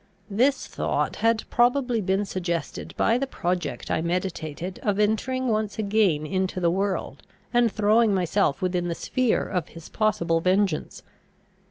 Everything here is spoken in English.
This thought had probably been suggested by the project I meditated of entering once again into the world, and throwing myself within the sphere of his possible vengeance.